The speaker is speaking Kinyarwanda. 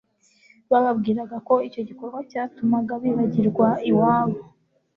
Bababwiraga ko icyo gikorwa cyatumaga bibagirwa iwabo,